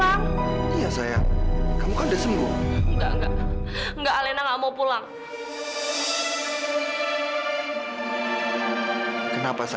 apakah alena akan pulang atau besi destroys